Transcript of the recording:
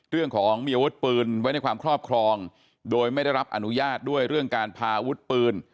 เรื่องของมีอาวุธปืนไว้ในความครอบครองโดยไม่ได้รับอนุญาตด้วยเรื่องการพาอาวุธปืน